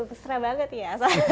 terus seru banget ya